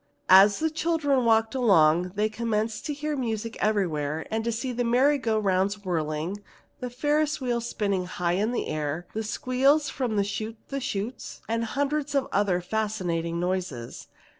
As the children walked along, they commenced to hear music everywhere and to see the merry go rounds whirling, the Ferris wheel spinning high in the air, the squeals from the shute the shutes, and hundreds of other fascinating noises.